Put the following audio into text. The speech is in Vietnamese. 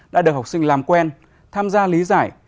đã được học sinh làm quen tham gia lý giải